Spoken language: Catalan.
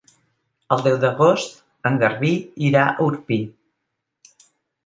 El deu d'agost en Garbí irà a Orpí.